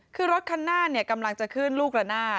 คือรถคันหน้าเนี่ยกำลังจะขึ้นลูกละหน้า